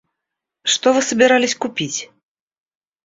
Что вы собирались купить?